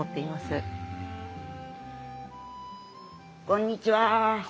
こんにちは。